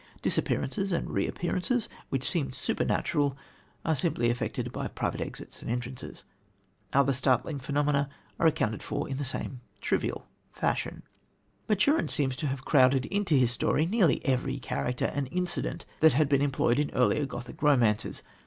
Disappearances and reappearances, which seemed supernatural, are simply effected by private exits and entrances. Other startling phenomena are accounted for in the same trivial fashion. Maturin seems to have crowded into his story nearly every character and incident that had been employed in earlier Gothic romances.